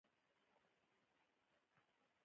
عقلمند انسان د عقلمند ملګری وي.